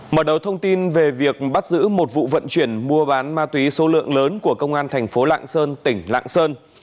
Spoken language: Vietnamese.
mở đầu thông tin về việc bắt giữ một vụ vận chuyển mua bán ma túy số lượng lớn của công an thành phố lạng sơn tỉnh lạng sơn